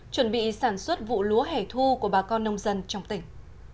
chuẩn bị sản xuất vụ lúa hẻ thu của bà con nông dân trong tỉnh